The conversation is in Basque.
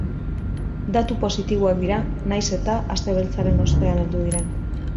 Datu positiboak dira, nahiz eta aste beltzaren ostean heldu diren.